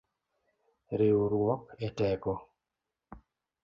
Riuruok eteko.